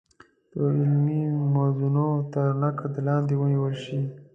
په علمي موازینو تر نقد لاندې ونیول شي.